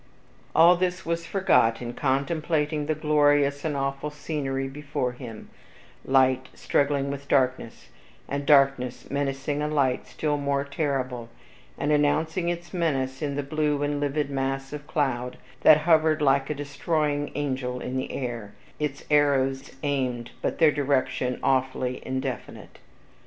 All this was forgot in contemplating the glorious and awful scenery before him, light struggling with darkness, and darkness menacing a light still more terrible, and announcing its menace in the blue and livid mass of cloud that hovered like a destroying angel in the air, its arrows aimed, but their direction awfully indefinite.